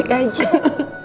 dia jahat banget sama el